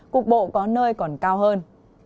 cục bộ có nơi còn cao hơn